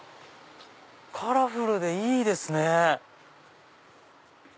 カラフルでいいですね！